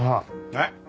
えっ？